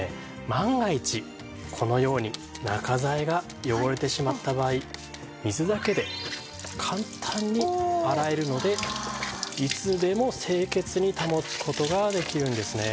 万が一このように中材が汚れてしまった場合水だけで簡単に洗えるのでいつでも清潔に保つ事ができるんですね。